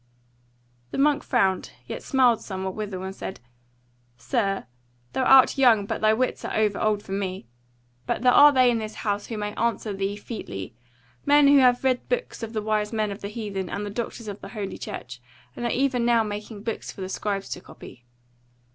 The monk frowned, yet smiled somewhat withal, and said: "Sir, thou art young, but thy wits are over old for me; but there are they in this House who may answer thee featly; men who have read the books of the wise men of the heathen, and the doctors of Holy Church, and are even now making books for the scribes to copy."